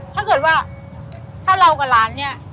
ถ้าเกิดว่าถ้าเรากับหลานเนี่ย